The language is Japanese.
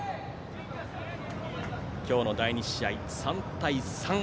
今日の第２試合、３対３。